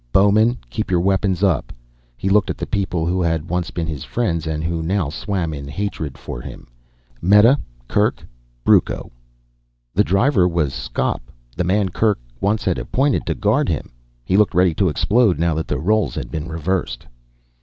Bowmen keep your weapons up." He looked at the people who had once been his friends and who now swam in hatred for him. Meta, Kerk, Brucco. The driver was Skop, the man Kerk had once appointed to guard him. He looked ready to explode now that the roles had been reversed.